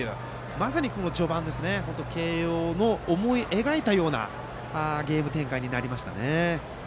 まさに序盤は慶応の思い描いたようなゲーム展開になりましたね。